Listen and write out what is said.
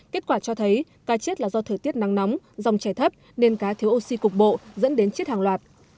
kết quả cho thấy cá chết là do thời tiết nắng nóng dòng chảy thấp nên cá thiếu oxy cục bộ dẫn đến chết hàng loạt